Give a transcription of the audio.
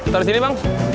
taruh di sini bang